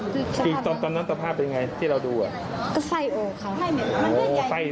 คือตอนนั้นสภาพเป็นอย่างไรที่เราดูอ่ะก็ใส่ออกค่ะ